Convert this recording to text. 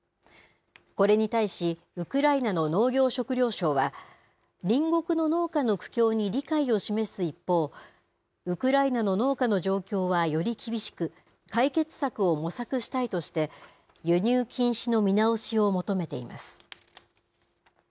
これに対し、ウクライナの農業食料省は、隣国の農家の苦境に理解を示す一方、ウクライナの農家の状況はより厳しく、解決策を模索したいとして、輸入禁止の見直しを求めています。